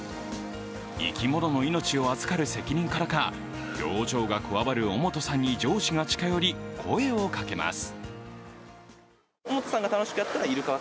生き物の命を預かる責任からか表情がこわばる尾本さんに上司が近寄り、声をかけます。